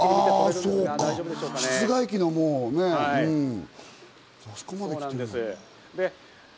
色が変室外機のもうね、あそこまで。